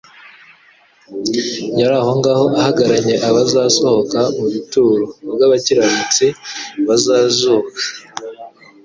Yari aho ngaho ahagaranye abazasohoka mu bituro, ubwo abakirariutsi bazazuka.